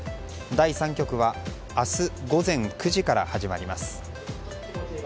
第３局は明日、午前９時から始まります。